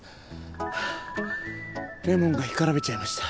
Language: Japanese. ハァレモンが干からびちゃいました。